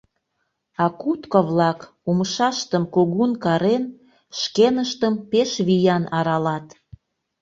А кутко-влак, умшаштым кугун карен, шкеныштым пеш виян аралат.